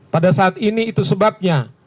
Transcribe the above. pada saat ini itu sebabnya